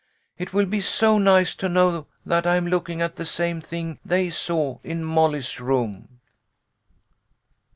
It will be so nice to know that I'm looking at the same thing they saw in Molly's room.